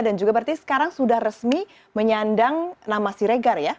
juga berarti sekarang sudah resmi menyandang nama siregar ya